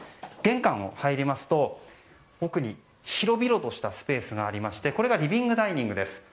玄関を入りますと奥に広々としたスペースがありましてこれがリビングダイニングです。